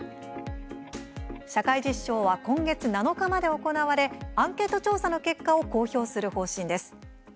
「社会実証」は今月７日まで行われアンケート調査の結果を公表する方針です。